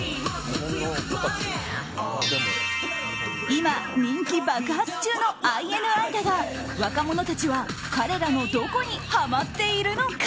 今人気爆発中のＩＮＩだが若者たちは、彼らのどこにハマっているのか？